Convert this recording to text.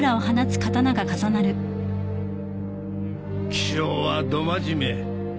気性はど真面目